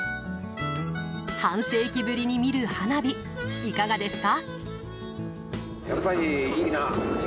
半世紀ぶりに見る花火いかがですか？